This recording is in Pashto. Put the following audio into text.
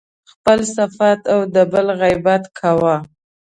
خپل صفت او د بل غیبت يې کاوه.